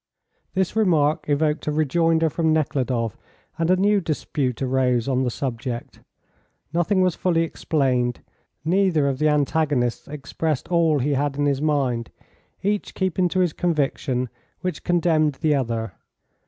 This remark evoked a rejoinder from Nekhludoff, and a new dispute arose on the subject. Nothing was fully explained, neither of the antagonists expressed all he had in his mind, each keeping to his conviction, which condemned the other.